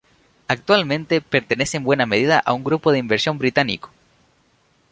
Actualmente pertenece en buena medida a un grupo de inversión británico.